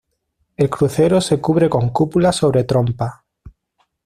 El crucero se cubre con cúpula sobre trompas.